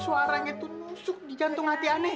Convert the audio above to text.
suaranya itu nusuk di jantung hati aneh